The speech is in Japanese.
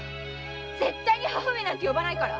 絶対に“母上”なんて呼ばないから。